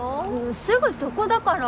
すぐそこだから。